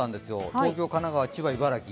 東京、神奈川、千葉、茨城。